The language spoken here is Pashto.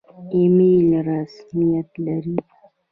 ایمیل رسمیت لري؟